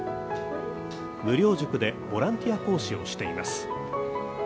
無料塾でボランティア講師をしています。